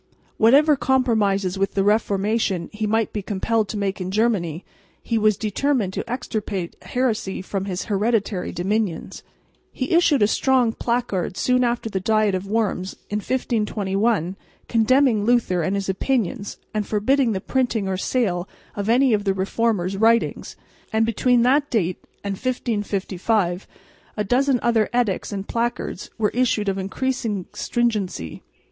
Whatever compromises with the Reformation he might be compelled to make in Germany, he was determined to extirpate heresy from his hereditary dominions. He issued a strong placard soon after the diet of Worms in 1521 condemning Luther and his opinions and forbidding the printing or sale of any of the reformer's writings; and between that date and 1555 a dozen other edicts and placards were issued of increasing stringency.